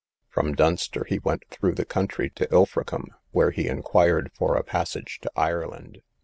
From Dunster he went through the country to Ilfracombe, where he inquired for a passage to Ireland.